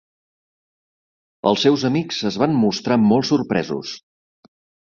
Els seus amics es van mostrar molt sorpresos.